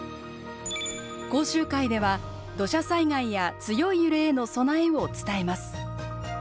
講習会では土砂災害や強い揺れへの備えを伝えます。